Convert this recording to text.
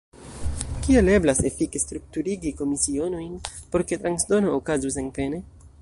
Kiel eblas efike strukturigi komisionojn, por ke transdono okazu senpene?